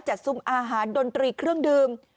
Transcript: ซุ้มอาหารดนตรีเครื่องดื่ม